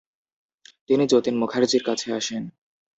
তিনি যতীন মুখার্জির কাছাকাছি আসেন।